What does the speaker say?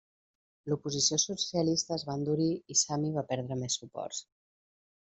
L'oposició socialista es va endurir i Sami va perdre més suports.